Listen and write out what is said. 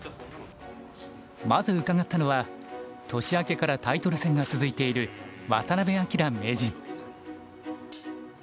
まず伺ったのは年明けからタイトル戦が続いている渡辺明名人。